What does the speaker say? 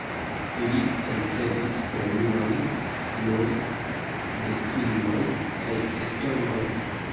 Li ricevis premiojn nur de finnoj kaj estonoj.